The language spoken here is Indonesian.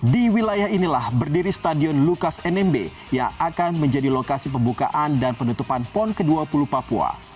di wilayah inilah berdiri stadion lukas nmb yang akan menjadi lokasi pembukaan dan penutupan pon ke dua puluh papua